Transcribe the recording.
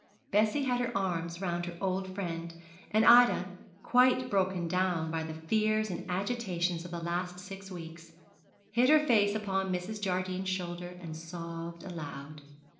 Bessie had her arms round her old friend, and Ida, quite broken down by the fears and agitations of the last six weeks, hid her face upon Mrs. Jardine's shoulder and sobbed aloud.